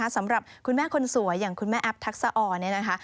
สำหรับคุณแม่คนสวยอย่างคุณแม่แอ๊บทักษะอ่อ